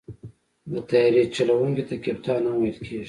د طیارې چلوونکي ته کپتان هم ویل کېږي.